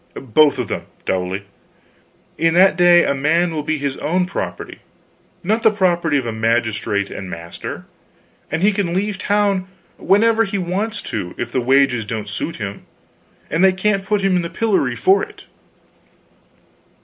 "Both of them, Dowley. In that day a man will be his own property, not the property of magistrate and master. And he can leave town whenever he wants to, if the wages don't suit him! and they can't put him in the pillory for it."